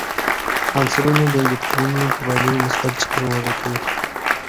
عنصرونه د الکترونونو په بایللو مثبت چارج غوره کوي.